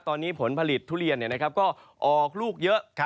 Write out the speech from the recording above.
ตอนนี้ผลผลิตทุเรียนก็ออกลูกเยอะ